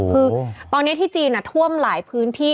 คือตอนนี้ที่จีนท่วมหลายพื้นที่